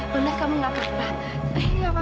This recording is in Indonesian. benar kamu gak apa apa